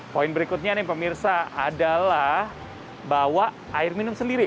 poin berikutnya nih pemirsa adalah bawa air minum sendiri